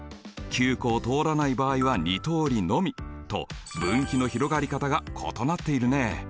Ｑ湖を通らない場合は２通りのみと分岐の広がり方が異なっているね。